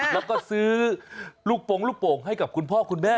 แล้วก็ซื้อลูกโปรงลูกโป่งให้กับคุณพ่อคุณแม่